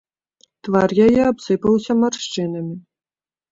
Твар яе абсыпаўся маршчынамі.